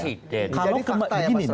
jadi fakta ya pak sbi